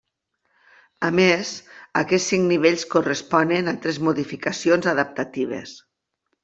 A més, aquests cinc nivells corresponen a tres modificacions adaptatives.